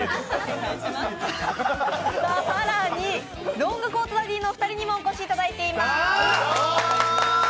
更に、ロングコートダディのお二人にもお越しいただいています。